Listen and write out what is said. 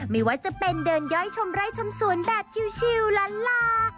ไม่ว่าจะเป็นเดินย่อยชมไร่ชมสวนแบบชิลล้านลา